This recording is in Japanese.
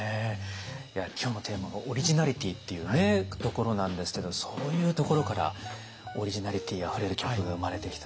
いや今日のテーマが「オリジナリティー」っていうところなんですけどそういうところからオリジナリティーあふれる曲が生まれてきた。